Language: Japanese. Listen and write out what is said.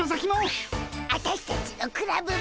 アタシたちのクラブも！